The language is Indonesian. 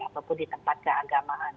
apapun di tempat keagamaan